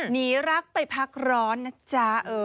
หนีรักไปพักร้อนนะจ๊ะ